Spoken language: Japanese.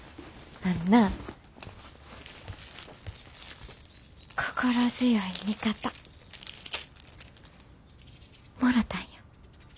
あんな心強い味方もろたんや。